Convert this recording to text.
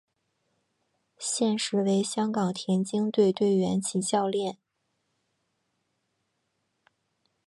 现时为香港田径队队员及教练。